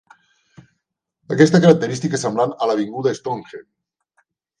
Aquesta característica és semblant a l'avinguda Stonehenge.